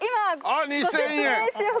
あっ２０００円！